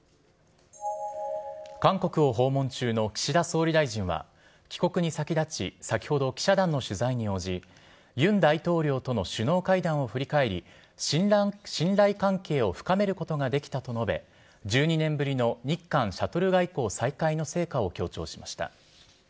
韓国を訪問中の岸田総理大臣は、帰国に先立ち、先ほど、記者団の取材に応じ、ユン大統領との首脳会談を振り返り、信頼関係を深めることができたと述べ、１２年ぶりの日韓シャトル外交再開の成果を強調しました。